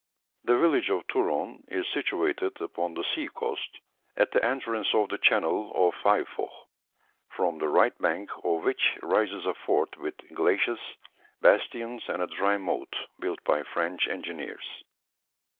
The village of Touron is situated upon the sea coast, at the entrance of the channel of Faifoh, from the right bank of which rises a fort with glacis, bastions, and a dry moat, built by French engineers.